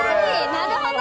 なるほど。